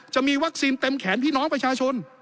จะมีวัคซีนเต็มแขนพี่น้องประชาชน